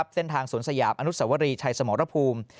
เส้นทางสวนสยามอนุสวรีชัยสมรภูมิ